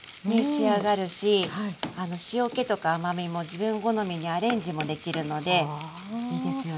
仕上がるし塩けとか甘みも自分好みにアレンジもできるのでいいですよね。